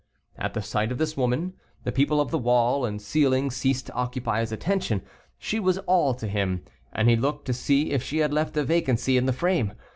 At the sight of this woman, the people of the wall and ceiling ceased to occupy his attention; she was all to him, and he looked to see if she had left a vacancy in the frame.